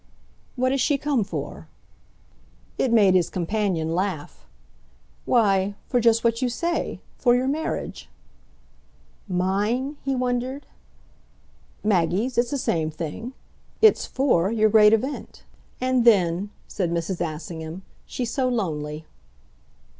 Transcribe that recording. "What has she come for!" It made his companion laugh. "Why, for just what you say. For your marriage." "Mine?" he wondered. "Maggie's it's the same thing. It's 'for' your great event. And then," said Mrs. Assingham, "she's so lonely."